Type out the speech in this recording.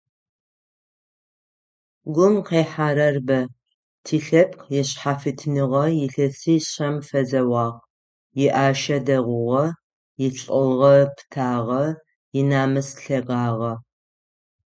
Гум къихьэрэр бэ: тилъэпкъ ишъхьафитныгъэ илъэсишъэм фэзэуагъ, иӏашэ дэгъугъэ, илӏыгъэ пытагъэ, инамыс лъэгагъэ…